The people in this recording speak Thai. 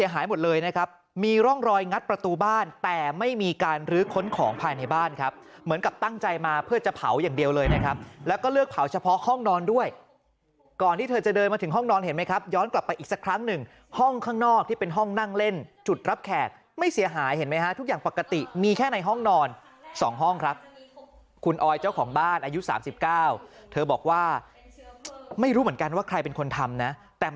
หรือค้นของภายในบ้านครับเหมือนกับตั้งใจมาเพื่อจะเผาอย่างเดียวเลยนะครับแล้วก็เลือกเผาเฉพาะห้องนอนด้วยก่อนที่เธอจะเดินมาถึงห้องนอนเห็นไหมครับย้อนกลับไปอีกสักครั้งหนึ่งห้องข้างนอกที่เป็นห้องนั่งเล่นจุดรับแขกไม่เสียหายเห็นไหมฮะทุกอย่างปกติมีแค่ในห้องนอนสองห้องครับคุณออยเจ้าของบ้านอายุ๓๙เธ